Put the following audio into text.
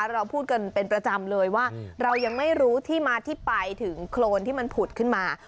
เราพูดกันเป็นประจำเลยว่าเรายังไม่รู้ที่มาที่ไปถึงโครนที่มันผุดขึ้นมา